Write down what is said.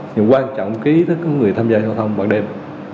nhưng quan trọng là ý thức của người tham gia giao thông bằng đềm